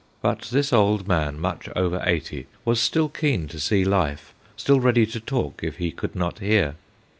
But this old man, much over eighty, was still keen to see life, still ready to talk if he could not hear.